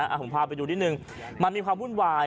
ถ้าผมพาไปดูนิดหนึ่งมันมีความบุญวาย